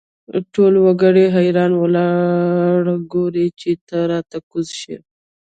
ټول وګړي حیران ولاړ ګوري چې ته را کوز شې.